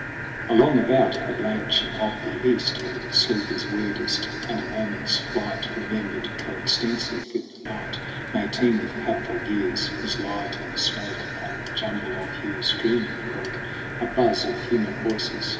Along about the blanching of the east, When sleep is weirdest and a moment's flight, Remembered coextensive with the night, May teem with hapful years ; as light in smoke, Upon the jumble of Hugh's dreaming broke A buzz of human voices.